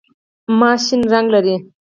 ماش شین رنګ لري.